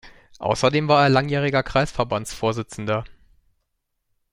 Außerdem war er langjähriger Kreisverbands-Vorsitzender.